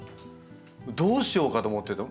どうしようかと思ってた。